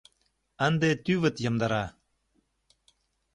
Ынде тӱвыт йомдара...